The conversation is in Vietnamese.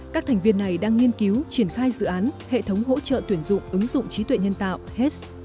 các thành viên này đang nghiên cứu triển khai dự án hệ thống hỗ trợ tuyển dụng ứng dụng trí tuệ nhân tạo heds